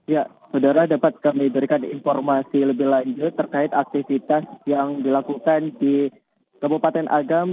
ya saudara dapat kami berikan informasi lebih lanjut terkait aktivitas yang dilakukan di kabupaten agam